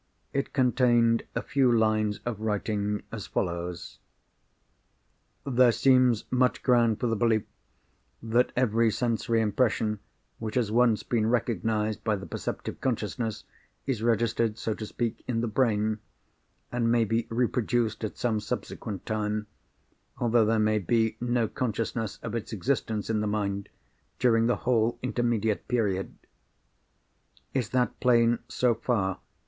It contained a few lines of writing, as follows:— "There seems much ground for the belief, that every sensory impression which has once been recognised by the perceptive consciousness, is registered (so to speak) in the brain, and may be reproduced at some subsequent time, although there may be no consciousness of its existence in the mind during the whole intermediate period." "Is that plain, so far?"